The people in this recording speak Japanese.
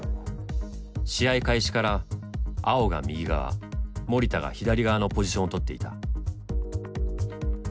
試合開始から碧が右側守田が左側のポジションを取っていた。